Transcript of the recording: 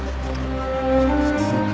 普通か。